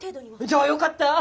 じゃあよかった。